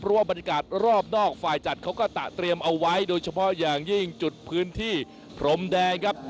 เพราะว่าบรรยากาศรอบนอกฝ่ายจัดเขาก็ตะเตรียมเอาไว้โดยเฉพาะอย่างยิ่งจุดพื้นที่พรมแดงครับ